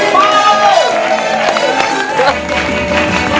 เป็นหัว